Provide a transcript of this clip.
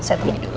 saya temuin dulu